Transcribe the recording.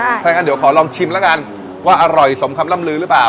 ถ้างั้นเดี๋ยวขอลองชิมแล้วกันว่าอร่อยสมคำล่ำลือหรือเปล่า